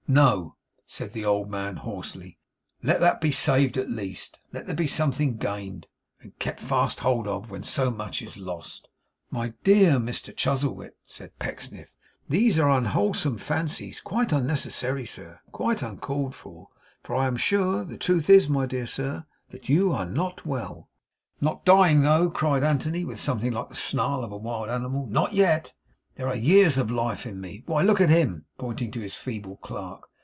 No,' said the old man, hoarsely, 'let that be saved at least; let there be something gained, and kept fast hold of, when so much is lost.' 'My dear Mr Chuzzlewit,' said Pecksniff, 'these are unwholesome fancies; quite unnecessary, sir, quite uncalled for, I am sure. The truth is, my dear sir, that you are not well!' 'Not dying though!' cried Anthony, with something like the snarl of a wild animal. 'Not yet! There are years of life in me. Why, look at him,' pointing to his feeble clerk.